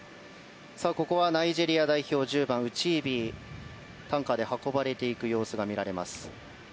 ナイジェリア代表１０番、ウチービーが担架で運ばれていく様子が見られました。